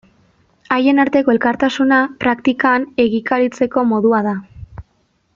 Haien arteko elkartasuna praktikan egikaritzeko modua da.